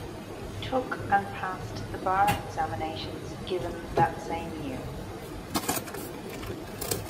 He took and passed the bar examinations given that same year.